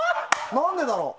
何でだろう？